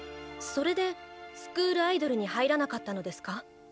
それでスクールアイドルに入らなかったのですか？